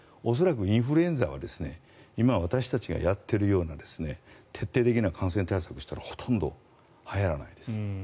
恐らくインフルエンザは今、私たちがやっているような徹底的な感染対策をしたらほとんどはやらないです。